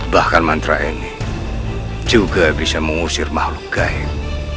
bahkan mantra ini juga bisa mengusir makhluk gaib